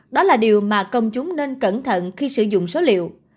đó là điều mà công chúng nên cẩn thận khi sử dụng số liệu